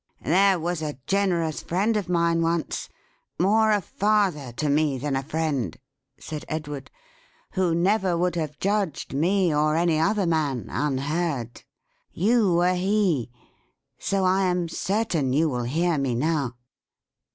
"There was a generous friend of mine, once: more a father to me than a friend:" said Edward, "who never would have judged me, or any other man, unheard. You were he. So I am certain you will hear me now."